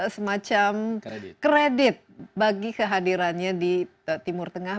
semacam kredit bagi kehadirannya di timur tengah